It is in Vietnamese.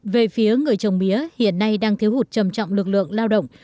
về phía người trồng mía hiện nay đang thiếu hụt trầm trọng lực lượng lao động